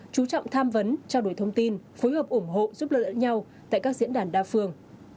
chú trọng tham vấn trao đổi thông tin phối hợp ủng hộ giúp đỡ lẫn nhau tại các diễn đàn đa phương